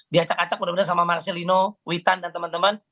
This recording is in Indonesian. diacak acak mudah mudahan sama marcelino witan dan teman teman